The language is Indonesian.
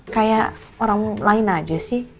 kayak orang lain aja sih